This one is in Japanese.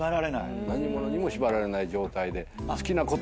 何ものにも縛られない状態で。